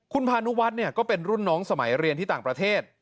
คุณพานุวัฒน์ก็เป็นรุ่นน้องสมัยเรียนที่ต่างประเทศ